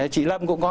chị lâm cũng có